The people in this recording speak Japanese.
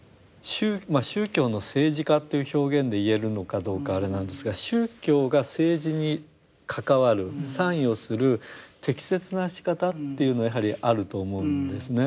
宗教の政治化という表現で言えるのかどうかあれなんですが宗教が政治に関わる参与する適切なしかたっていうのはやはりあると思うんですね。